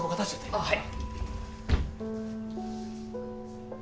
あっはい。